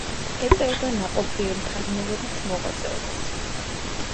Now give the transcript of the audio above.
ეწეოდა ნაყოფიერ მთარგმნელობით მოღვაწეობას.